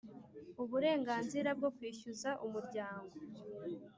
Uburenganzira bwo kwishyuza umuryango